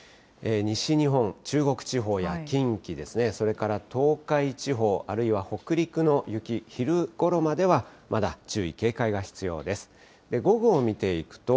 西日本、中国地方や近畿ですね、それから東海地方、あるいは北陸の雪、昼ごろまではまだ注意、警戒が必要です。